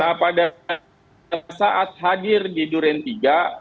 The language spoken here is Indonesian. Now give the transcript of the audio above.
nah pada saat hadir di duren tiga